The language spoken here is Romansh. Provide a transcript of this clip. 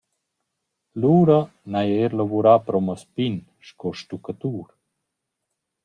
«Lura n’haja eir lavurà pro meis pin sco stuccatur.»